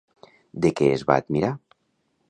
De què es va admirar?